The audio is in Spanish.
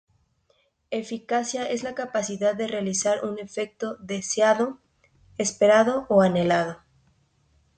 Eficacia es la capacidad de realizar un efecto deseado, esperado o anhelado.